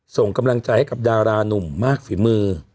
ส่งกำลังใจให้กับดารานุ่มมากฝีมือ